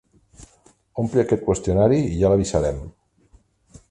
Ompli aquest qüestionari i ja l'avisarem.